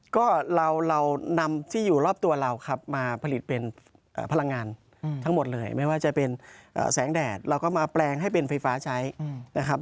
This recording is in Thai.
ก็เรานำที่อยู่รอบตัวเราครับมาผลิตเป็นพลังงานทั้งหมดเลยไม่ว่าจะเป็นแสงแดดเราก็มาแปลงให้เป็นไฟฟ้าใช้นะครับ